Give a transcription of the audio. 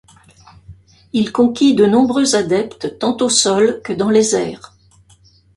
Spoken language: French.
Il conquit de nombreux adeptes tant au sol que dans les airs.